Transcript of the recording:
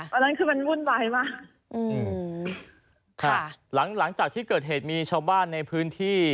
อันนั้นคือมันวุ่นวายมากอืมค่ะหลังหลังจากที่เกิดเหตุมีชาวบ้านในพื้นที่